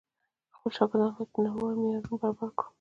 خپل شاګردان بايد په نړيوالو معيارونو برابر کړو.